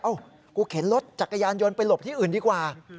กูเข็นรถจักรยานยนต์ไปหลบที่อื่นดีกว่า